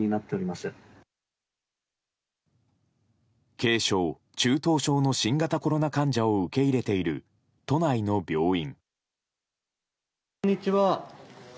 軽症・中等症の新型コロナ患者を受け入れている都内の病院。